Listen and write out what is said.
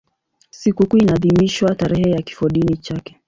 Sikukuu inaadhimishwa tarehe ya kifodini chake.